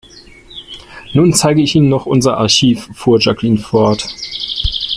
Nun zeige ich Ihnen noch unser Archiv, fuhr Jacqueline fort.